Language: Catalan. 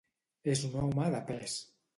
És un home de pes.